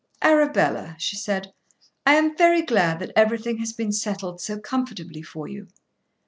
"Arabella," she said, "I am very glad that everything has been settled so comfortably for you."